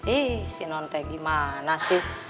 ih si non teh gimana sih